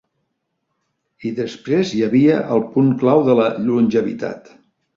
I després hi havia el punt clau de la longevitat.